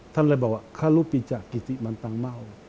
ท่านเลยบอกว่าค่ารูปปีจากกิติมันตังเม่า